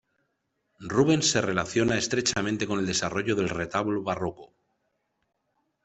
Rubens se relaciona estrechamente con el desarrollo del retablo barroco.